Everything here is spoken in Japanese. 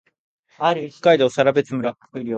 北海道更別村